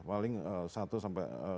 paling satu sampai dua